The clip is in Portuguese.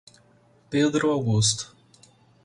Pedro Augusto